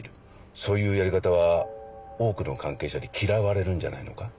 そういうやり方は多くの関係者に嫌われるんじゃないのか？